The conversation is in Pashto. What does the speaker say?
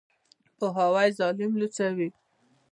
پوهاوی ظالم لوڅوي.